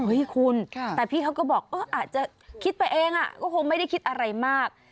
ให้คุณแต่พี่เขาก็บอกอาจจะคิดไปเองก็คงไม่ได้คิดอะไรมาก